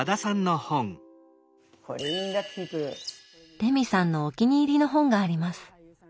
レミさんのお気に入りの本があります。